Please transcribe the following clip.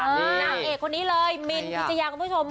นางเอกคนนี้เลยมิ้นธิจยากรผู้ชมค่ะ